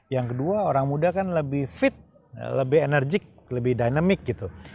yang kedua orang muda kan lebih fit lebih enerjik lebih dynamic gitu